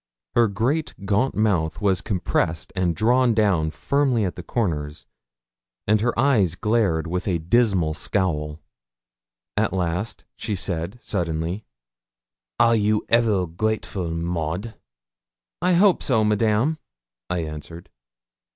Her great gaunt mouth was compressed and drawn down firmly at the corners, and her eyes glared with a dismal scowl. At last she said suddenly 'Are you ever grateful, Maud?' 'I hope so, Madame,' I answered.